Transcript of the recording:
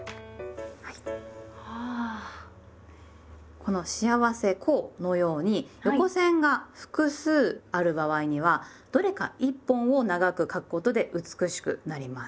この「『幸』せ」「幸」のように横線が複数ある場合にはどれか１本を長く書くことで美しくなります。